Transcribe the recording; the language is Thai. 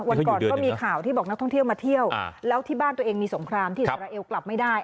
วันก่อนก็มีข่าวที่บอกนักท่องเที่ยวมาเที่ยวแล้วที่บ้านตัวเองมีสงครามที่อิสราเอลกลับไม่ได้